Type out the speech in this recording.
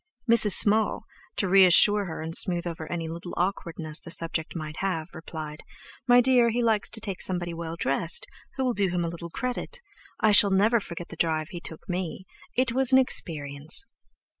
Mrs. Small, to reassure her and smooth over any little awkwardness the subject might have, replied: "My dear, he likes to take somebody well dressed, who will do him a little credit. I shall never forget the drive he took me. It was an experience!"